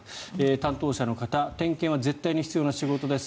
担当者の方点検は絶対に必要な仕事です